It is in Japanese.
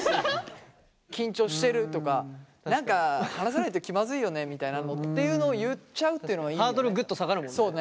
緊張してる？とか何か話さないと気まずいよねみたいなのっていうのを言っちゃうっていうのはいいよね。